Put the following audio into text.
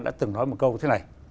đã từng nói một câu thế này